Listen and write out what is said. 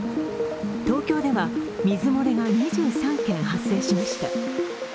東京では水漏れが２３件発生しました。